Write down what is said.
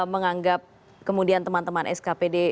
menganggap kemudian teman teman skpd